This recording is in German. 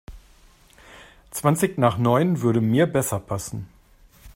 Zwanzig nach neun würde mir besser passen.